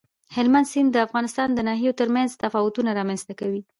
هلمند سیند د افغانستان د ناحیو ترمنځ تفاوتونه رامنځ ته کوي.